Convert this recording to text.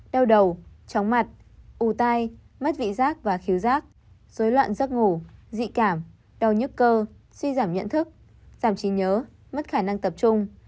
đau đầu chóng mặt u tai mất vị giác và khiếu rác dối loạn giấc ngủ dị cảm đau nhức cơ suy giảm nhận thức giảm trí nhớ mất khả năng tập trung